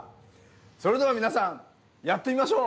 それでは皆さんやってみましょう！